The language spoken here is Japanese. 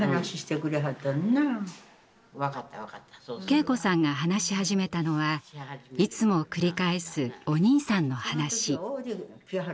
敬子さんが話し始めたのはいつも繰り返すお兄さんの話。